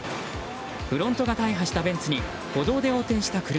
フロントが大破したベンツに歩道で横転した車。